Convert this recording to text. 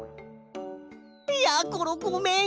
やころごめん！